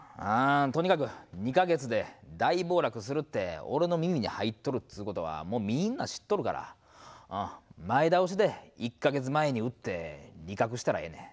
とにかく２か月で大暴落するって俺の耳に入っとるっつーことはもうみんな知っとるから前倒しで１か月前に売って利確したらええねん。